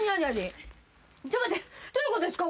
どういうことですか？